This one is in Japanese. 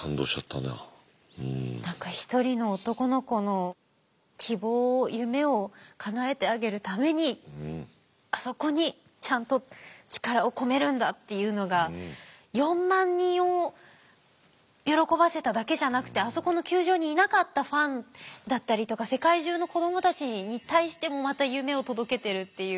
何か一人の男の子の希望を夢をかなえてあげるためにあそこにちゃんと力を込めるんだっていうのが４万人を喜ばせただけじゃなくてあそこの球場にいなかったファンだったりとか世界中の子どもたちに対してもまた夢を届けてるっていう。